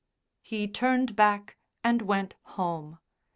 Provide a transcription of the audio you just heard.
He turned back and went home.